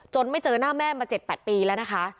ไม่เจอหน้าแม่มา๗๘ปีแล้วนะคะ